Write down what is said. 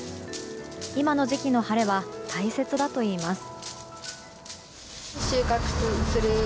今の時期の晴れは大切だといいます。